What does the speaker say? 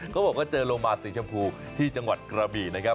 เขาบอกว่าเจอโลมาสีชมพูที่จังหวัดกระบี่นะครับ